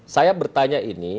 saya bertanya ini